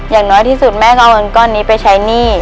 อย่างน้อยที่สุดแม่ต้องเอาเงินก้อนนี้ไปใช้หนี้